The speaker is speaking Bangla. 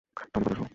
টনি, কথা শোনো।